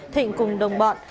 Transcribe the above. thịnh cùng đồng bọn